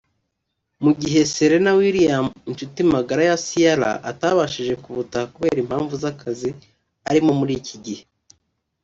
mu gihe Serena Williams inshuti magara ya Ciara atabashije kubutaha kubera impamvu z’akazi arimo muri iki gihe